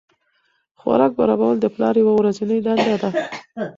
خوراک برابرول د پلار یوه ورځنۍ دنده ده.